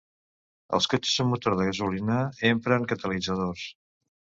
Els cotxes amb motor de gasolina empren catalitzadors.